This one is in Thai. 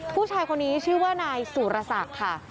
ผู้ชายคนนี้ชื่อว่านายสุรศักดิ์ค่ะ